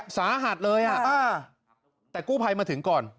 เจ็บสาหัสเลยอ่ะแต่กู้ภัยมาถึงก่อน